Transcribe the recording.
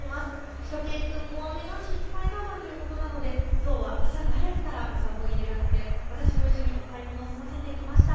しゅと犬くんも雨が心配だワンということなので、きょうは朝早くからお散歩に出かけて私も一緒にお買い物を済ませてきました。